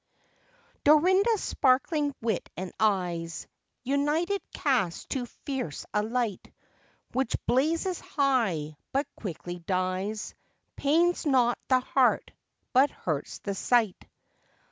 Dorinda's sparkling wit and eyes, United, cast too fierce a light, Which blazes high, but quickly dies, Pains not the heart, but hurts the sight.